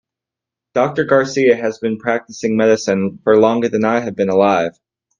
Doctor Garcia has been practicing medicine for longer than I have been alive.